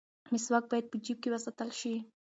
مسواک باید په جیب کې وساتل شي.